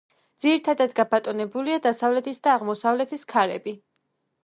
ძირითადად გაბატონებულია დასავლეთის და აღმოსავლეთის ქარები.